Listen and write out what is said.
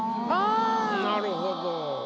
なるほど。